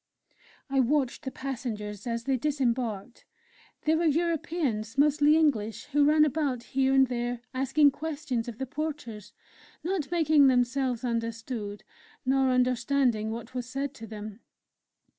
I watched the passengers as they disembarked. They were Europeans, mostly English, who ran about, here and there, asking questions of the porters, not making themselves understood, nor understanding what was said to them.